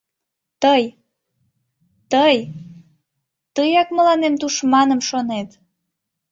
Тый... тый, тыяк мыланем тушманым шонет.